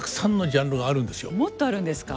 もっとあるんですか。